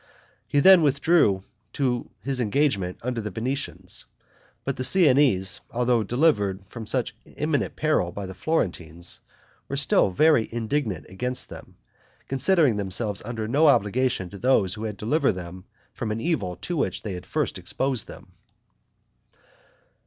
He then withdrew to his engagement under the Venetians; but the Siennese, although delivered from such imminent peril by the Florentines, were still very indignant against them; considering themselves under no obligation to those who had delivered them from an evil to which they had first exposed them.